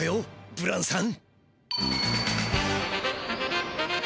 ブランさん。